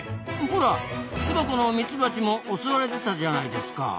ほら巣箱のミツバチも襲われてたじゃないですか。